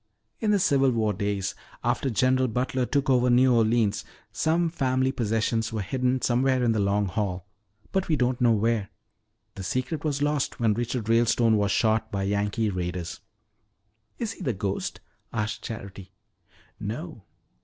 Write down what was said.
In the Civil War days, after General Butler took over New Orleans, some family possessions were hidden somewhere in the Long Hall, but we don't know where. The secret was lost when Richard Ralestone was shot by Yankee raiders." "Is he the ghost?" asked Charity. "No.